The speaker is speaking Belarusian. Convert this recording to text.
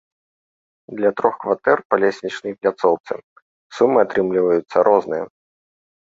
Для трох кватэр на лесвічнай пляцоўцы сумы атрымліваюцца розныя.